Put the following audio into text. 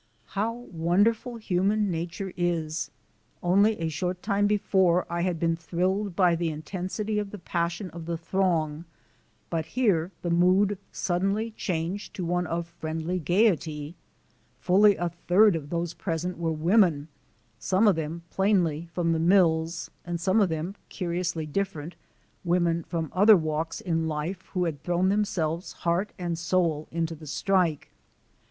How wonderful human nature is! Only a short time before I had been thrilled by the intensity of the passion of the throng, but here the mood suddenly changed to one of friendly gayety. Fully a third of those present were women, some of them plainly from the mills and some of them curiously different women from other walks in life who had thrown themselves heart and soul into the strike.